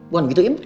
bukan gitu im